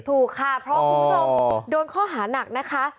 ถูกค่ะเพราะคุณผู้ชมโดนข้อหานักนะคะ